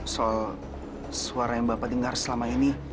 soal suara yang bapak dengar selama ini